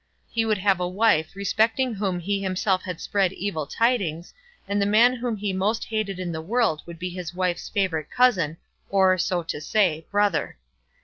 He would have a wife respecting whom he himself had spread evil tidings, and the man whom he most hated in the world would be his wife's favourite cousin, or, so to say, brother.